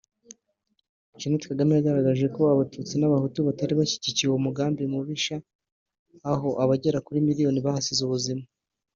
Jeannette Kagame yagaragaje ko Abatutsi n’Abahutu batari bashyigikiye uwo mugambi mubisha aho abagera kuri miliyoni bahasize ubuzima